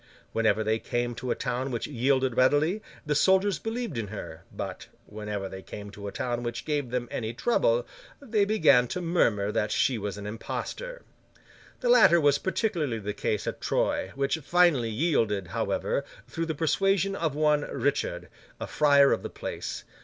Whenever they came to a town which yielded readily, the soldiers believed in her; but, whenever they came to a town which gave them any trouble, they began to murmur that she was an impostor. The latter was particularly the case at Troyes, which finally yielded, however, through the persuasion of one Richard, a friar of the place.